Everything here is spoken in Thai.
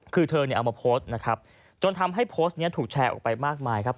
คือเธอเนี่ยเอามาโพสต์นะครับจนทำให้โพสต์นี้ถูกแชร์ออกไปมากมายครับ